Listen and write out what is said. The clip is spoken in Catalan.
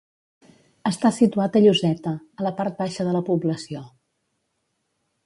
Està situat a Lloseta, a la part baixa de la població.